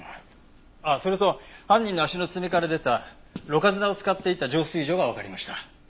ああそれと犯人の足の爪から出たろ過砂を使っていた浄水場がわかりました。